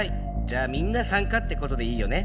じゃあみんな参加って事でいいよね？